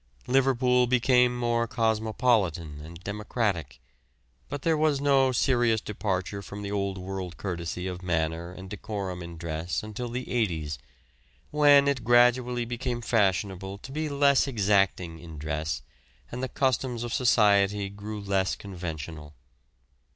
Liverpool became more cosmopolitan and democratic, but there was no serious departure from the old world courtesy of manner and decorum in dress until the 'eighties, when it gradually became fashionable to be less exacting in dress, and the customs of society grew less conventional.